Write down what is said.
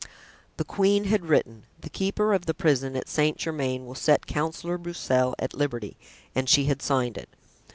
The queen had written, "The keeper of the prison at Saint Germain will set Councillor Broussel at liberty;" and she had signed it.